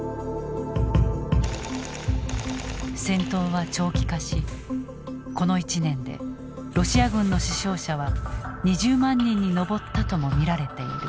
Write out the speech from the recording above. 戦闘は長期化しこの１年でロシア軍の死傷者は２０万人に上ったとも見られている。